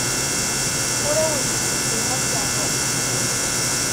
Ur awent-d-ssenqaseɣ.